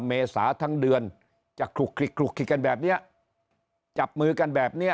เมษาทั้งเดือนจะคลุกคลิกคลุกคลิกกันแบบเนี้ยจับมือกันแบบเนี้ย